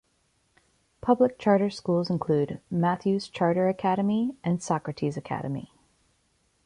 Public charter schools include Matthews Charter Academy and Socrates Academy.